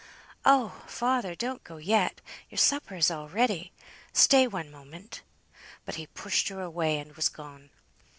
"Oh! father, don't go yet. Your supper is all ready. Stay one moment!" But he pushed her away, and was gone.